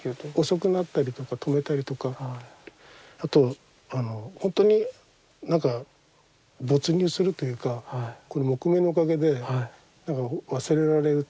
遅くなったりとか止めたりとかあとほんとになんか没入するというか木目のおかげで忘れられるというか。